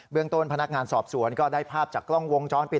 เรื่องต้นพนักงานสอบสวนก็ได้ภาพจากกล้องวงจรปิด